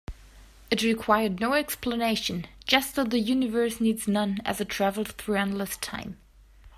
It required no explanation, just as the universe needs none as it travels through endless time.